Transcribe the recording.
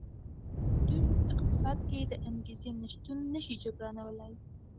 خو په یو موډرن اقتصاد کې د انګېزې نشتون نه شي جبرانولی